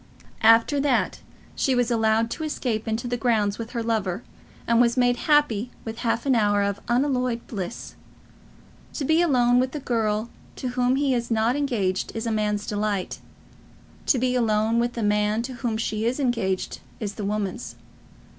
After that she was allowed to escape into the grounds with her lover, and was made happy with half an hour of unalloyed bliss. To be alone with the girl to whom he is not engaged is a man's delight; to be alone with the man to whom she is engaged is the woman's.